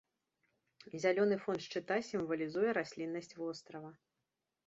Зялёны фон шчыта сімвалізуе расліннасць вострава.